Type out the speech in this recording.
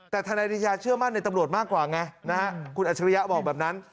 แต่ทนายริยาเชื่อมั่นในตำรวจมากกว่าไงนะฮะคุณอัจฉริยะบอกแบบนั้น